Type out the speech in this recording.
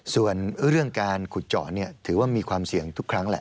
ส่วนเรื่องการขุดเจาะถือว่ามีความเสี่ยงทุกครั้งแหละ